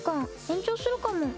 延長するかも。